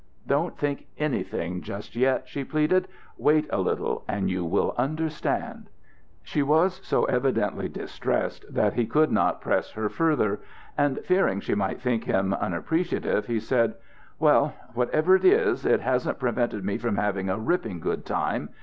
"Don't think anything just yet," she pleaded. "Wait a little, and you will understand." She was so evidently distressed that he could not press her further; and fearing she might think him unappreciative, he said, "Well, whatever it is, it hasn't prevented me from having a ripping good time.